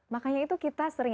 makanya itu kita sering